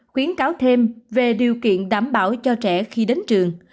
khuyến cáo thêm về điều kiện đảm bảo cho trẻ khi đến trường